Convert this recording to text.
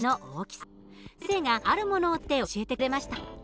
先生があるものを使って教えてくれました。